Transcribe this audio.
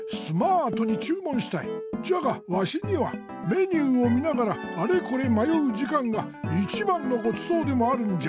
じゃがワシにはメニューをみながらあれこれまようじかんがいちばんのごちそうでもあるんじゃ。